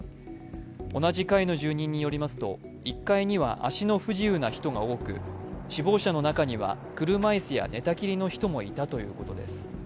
同じ階の住人によりますと１階には足の不自由な人が多く死亡者の中には、車椅子や寝たきりの人もいたということです。